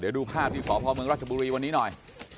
เดี๋ยวดูภาพที่สพเมืองราชบุรีวันนี้หน่อย